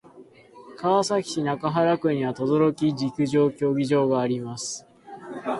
川崎市中原区には等々力陸上競技場があります。